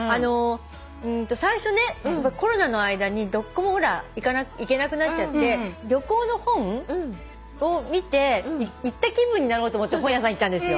最初ねコロナの間にどっこも行けなくなっちゃって旅行の本を見て行った気分になろうと思って本屋さん行ったんですよ。